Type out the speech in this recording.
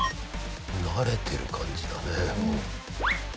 慣れてる感じだねもう。